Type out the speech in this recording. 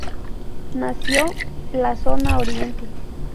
Nació la Zona Oriente.